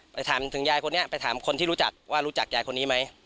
ไปถามถึงยายคนนี้ไปถามคนที่รู้จักว่ารู้จักยายคนนี้ไหม